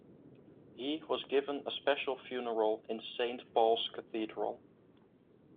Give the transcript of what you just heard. He was given a special funeral in Saint Paul's Cathedral.